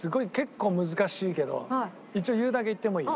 一応言うだけ言ってもいい？